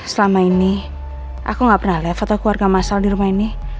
selama ini aku enggak pernah lihat foto keluarga mas al di rumah ini